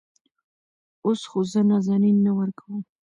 اوس خو زه نازنين نه ورکوم.